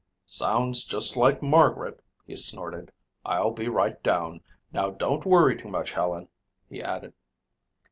"Sounds just like Margaret," he snorted. "I'll be right down. Now don't worry too much, Helen," he added.